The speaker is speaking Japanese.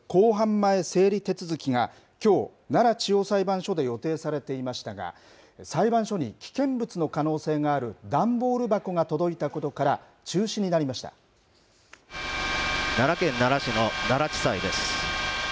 前整理手続きが、きょう、奈良地方裁判所で予定されていましたが、裁判所に危険物の可能性がある段ボール箱が届いたことから、中止奈良県奈良市の奈良地裁です。